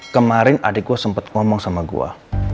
kemarin adik gue sempat ngomong sama gue